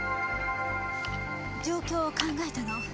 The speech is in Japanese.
状況を考えたの。